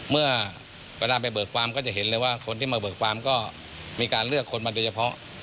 เมื่อเวลาไปเบิกความก็จะเห็นเลยว่าคนที่มาเบิกความก็มีการเลือกคนมาโดยเฉพาะ